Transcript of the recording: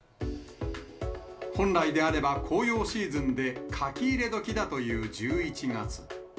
本来であれば紅葉シーズンで書き入れ時だという１１月。